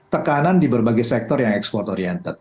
tekanan di berbagai sektor yang ekspor oriented